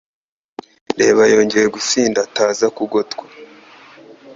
Reba. Yongeye gusinda ataza kugotwa